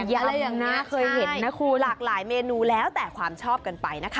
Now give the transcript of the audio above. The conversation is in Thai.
หลากหลายเมนูแล้วแต่ความชอบกันไปนะคะ